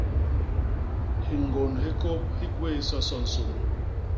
Hiñgôn hi kôp hi gwéé soso nsôn.